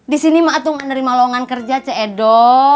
disini mah tuh gak nerima loongan kerja ce edo